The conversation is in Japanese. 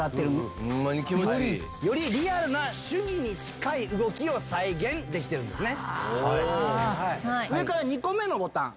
よりリアルな手技に近い動きを再現できてるんですね。